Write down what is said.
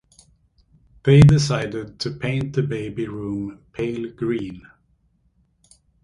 They decided to paint the baby room pale green.